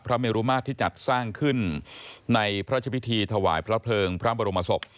เมรุมาตรที่จัดสร้างขึ้นในพระราชพิธีถวายพระเพลิงพระบรมศพ